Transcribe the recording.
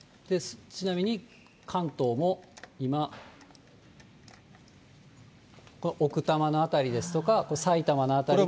ちなみに関東も今、奥多摩の辺りですとか、埼玉の辺りで。